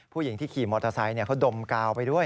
ผู้หญิงที่ขี่มอเตอร์ไซค์เขาดมกาวไปด้วย